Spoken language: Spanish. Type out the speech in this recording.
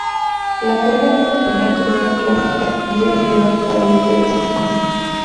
La carrera tiene el formato de una clásica y es ideal para los velocistas.